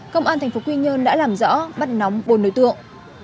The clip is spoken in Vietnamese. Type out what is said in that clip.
công an tp quy nhơn đã làm rõ bắt nóng bồn nơi tượng